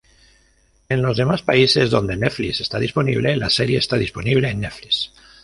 En los demás países donde Netflix está disponible, la serie está disponible en Netflix